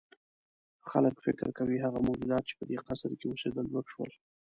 خلک فکر کوي هغه موجودات چې په دې قصر کې اوسېدل ورک شول.